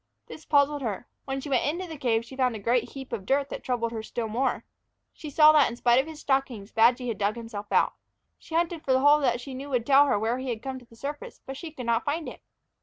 This puzzled her; when she went into the cave she found a great heap of dirt that troubled her still more. She saw that in spite of his stockings, Badgy had dug himself out. She hunted for the hole that she knew would tell her where he had come through to the surface again, but she could not find it.